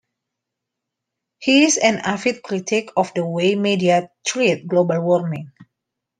He is an avid critic of the way media treat global warming.